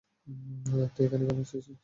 তুই এখানে কেন এসেছিস?